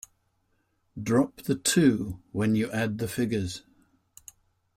Drop the two when you add the figures.